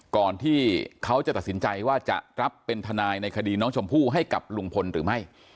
ก่อนที่เขาจะตัดสินใจว่าจะรับเป็นทนายในคดีน้องชมพู่ให้กับลุงพลหรือไม่